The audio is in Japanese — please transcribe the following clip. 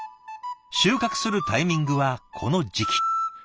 収穫するタイミングはこの時期。